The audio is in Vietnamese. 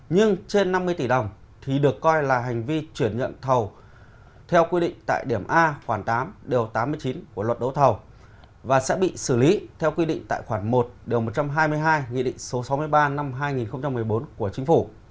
nhưng trên năm mươi tỷ đồng thì được coi là hành vi chuyển nhận thầu theo quy định tại điểm a khoảng tám điều tám mươi chín của luật đấu thầu và sẽ bị xử lý theo quy định tại khoản một điều một trăm hai mươi hai nghị định số sáu mươi ba năm hai nghìn một mươi bốn của chính phủ